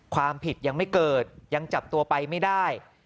ความผิดยังไม่เกิดยังจับตัวไปไม่ได้